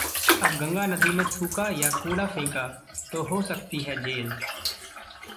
अब गंगा नदी में थूका या कूड़ा फेंका तो हो सकती है जेल